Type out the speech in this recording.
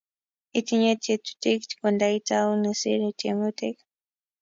Itinye tetutik kondoitaun isir tiemutik